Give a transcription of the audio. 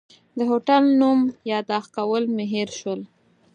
د هوټل نوم یاداښت کول مې هېر شول.